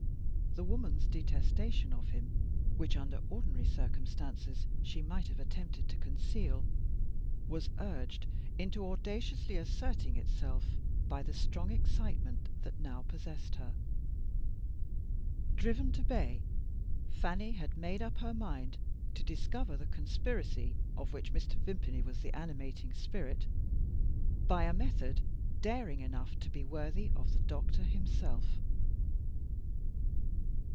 The woman's detestation of him, which under ordinary circumstances she might have attempted to conceal, was urged into audaciously asserting itself by the strong excitement that now possessed her. Driven to bay, Fanny had made up her mind to discover the conspiracy of which Mr. Vimpany was the animating spirit, by a method daring enough to be worthy of the doctor himself.